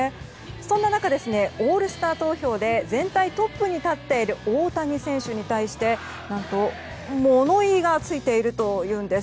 そんな中、オールスター投票で全体トップに立っている大谷選手に対して何と物言いがついているというんです。